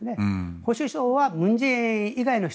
保守層は文在寅以外の人。